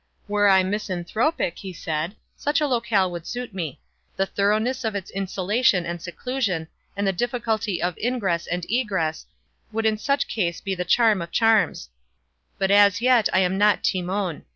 "Were I misanthropic," he said, "such a locale would suit me. The thoroughness of its insulation and seclusion, and the difficulty of ingress and egress, would in such case be the charm of charms; but as yet I am not Timon.